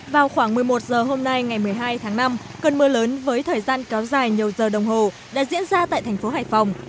vào khoảng một mươi một h hôm nay ngày một mươi hai tháng năm cơn mưa lớn với thời gian kéo dài nhiều giờ đồng hồ đã diễn ra tại thành phố hải phòng